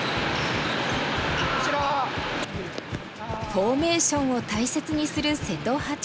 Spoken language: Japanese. フォーメーションを大切にする瀬戸八段。